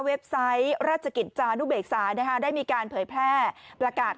ไซต์ราชกิจจานุเบกษาได้มีการเผยแพร่ประกาศ